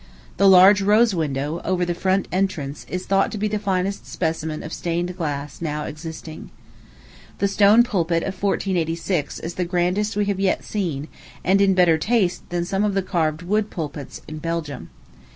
The large rose window, over the front entrance, is thought to be the finest specimen of stained glass now existing. The stone pulpit of 1486 is the grandest we have yet seen, and in better taste than some of the carved wood pulpits in Belgium.